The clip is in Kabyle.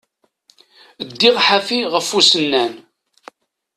Ddiɣ ḥafi ɣef usennan.